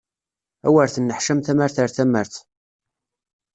Awer tenneḥcam tamart ar tamart!